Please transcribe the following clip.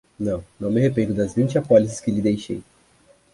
Não, não me arrependo das vinte apólices que lhe deixei.